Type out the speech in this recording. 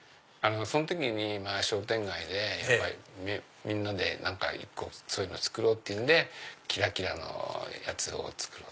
その時に商店街でみんなで１個そういうの作ろうってんでキラキラのやつを作ろう！